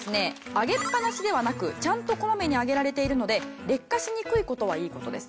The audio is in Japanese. あげっぱなしではなくちゃんとこまめにあげられているので劣化しにくい事はいい事です。